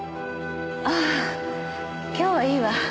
ああ今日はいいわ。